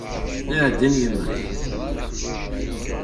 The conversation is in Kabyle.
Naɛdin yemma-k!